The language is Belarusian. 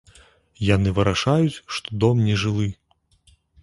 Яны вырашаюць, што дом не жылы.